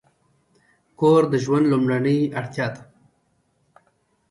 کور د ژوند لومړنۍ اړتیا ده.